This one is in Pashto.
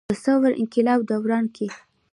د ثور انقلاب دوران کښې